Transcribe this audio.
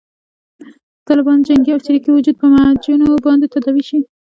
د طالبانو جنګي او چریکي وجود په معجونو باندې تداوي شي.